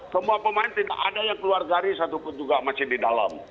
semua pemain tidak ada yang keluar garis ataupun juga masih di dalam